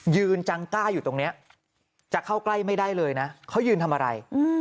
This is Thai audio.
จังกล้าอยู่ตรงนี้จะเข้าใกล้ไม่ได้เลยนะเขายืนทำอะไร